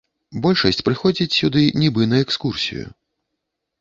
Большасць прыходзіць сюды нібы на экскурсію.